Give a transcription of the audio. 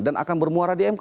dan akan bermuara di mk